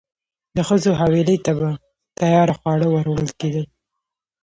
د ښځو حویلۍ ته به تیار خواړه وروړل کېدل.